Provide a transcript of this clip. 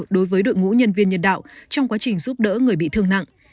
đối với đội ngũ nhân viên nhân đạo trong quá trình giúp đỡ người bị thương nặng